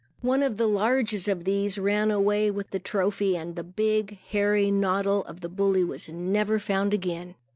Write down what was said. One of the largest of these ran away with the trophy and the big, hairy noddle of the bully was never found again.